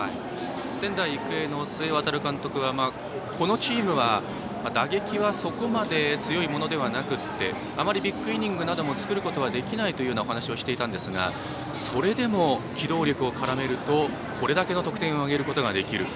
仙台育英の須江航監督はこのチームは、打撃はそこまで強いものではなくてあまりビッグイニングなどを作ることもできないと話していたんですがそれでも、機動力を絡めるとこれだけの得点を挙げることができる。